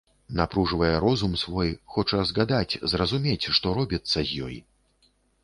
Напружвае розум свой, хоча згадаць, зразумець, што робіцца з ёй.